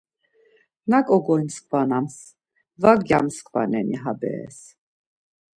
Naǩo gyomskvanams, va gyamskvaneni ha beres?